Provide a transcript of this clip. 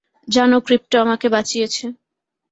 জানো ক্রিপ্টো আমাকে বাঁচিয়েছে?